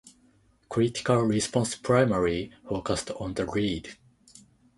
Critical response primarily focused on the lead.